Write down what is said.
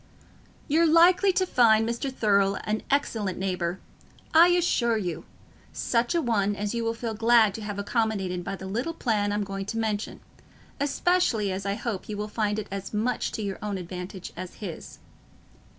"You're likely to find Mr. Thurle an excellent neighbour, I assure you—such a one as you will feel glad to have accommodated by the little plan I'm going to mention, especially as I hope you will find it as much to your own advantage as his."